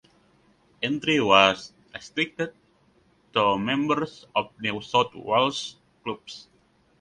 Entry was restricted to members of New South Wales clubs.